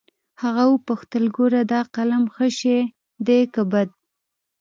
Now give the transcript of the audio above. هغه وپوښتل ګوره دا قلم ښه شى ديه که بد.